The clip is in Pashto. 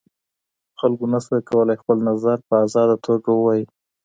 خلګو نسوای کولای خپل نظر په ازاده توګه ووایي.